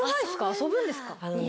遊ぶんですか？